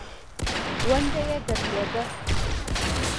ونډه یې درلوده.